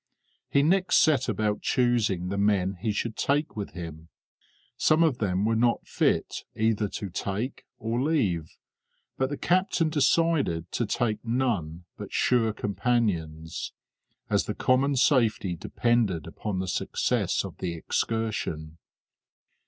He next set about choosing the men he should take with him; some of them were not fit either to take or leave, but the captain decided to take none but sure companions, as the common safety depended upon the success of the excursion.